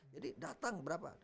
jadi datang berapa